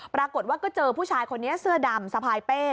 ปรากฏว่าก็เจอผู้ชายคนนี้เสื้อดำสะพายเป้